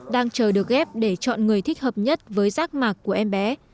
đang chờ được ghép để chọn người thích hợp nhất với rác mạc của em bé